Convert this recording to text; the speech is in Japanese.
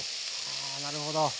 あなるほど。